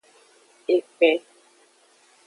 Ekpen.